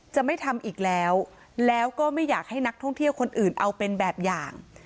จะไม่ทำอีกแล้วแล้วก็ไม่อยากให้นักท่องเที่ยวคนอื่นเอาเป็นแบบอย่าง